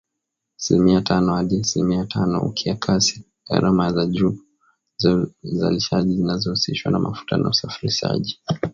Asilimia tano hadi asilimia tano, ukiakisi gharama za juu za uzalishaji zinazohusishwa na mafuta na usafirishaji.